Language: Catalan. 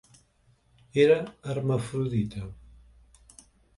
Era hermafrodita.